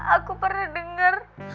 aku pernah dengar